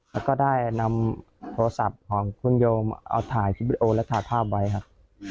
แล้วก็ได้นำโทรศัพท์ของคุณโยมเอาถ่ายคลิปวิดีโอและถ่ายภาพไว้ครับ